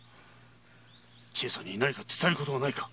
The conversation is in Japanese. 千恵さんに伝える事はないか？